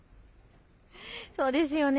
そうですよね。